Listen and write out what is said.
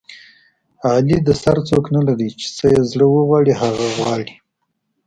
علي د سر څوک نه لري چې څه یې زړه و غواړي هغه غواړي.